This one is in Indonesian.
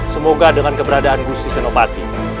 semoga dengan keberadaan gusti senopati